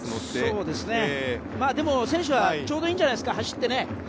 でも、選手はちょうどいいんじゃないですか走ってね。